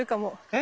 え？